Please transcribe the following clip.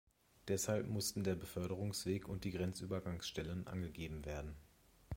Deshalb mussten der Beförderungsweg und die Grenzübergangstellen angegeben werden.